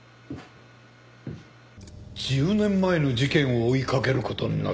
１０年前の事件を追いかける事になったか。